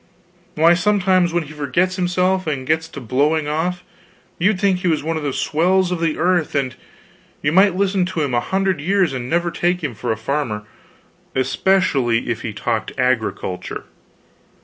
Why, sometimes when he forgets himself and gets to blowing off, you'd think he was one of the swells of the earth; and you might listen to him a hundred years and never take him for a farmer especially if he talked agriculture.